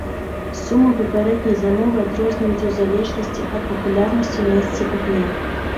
Сумы папярэдняй замовы адрозніваюцца ў залежнасці ад папулярнасці месца і дня.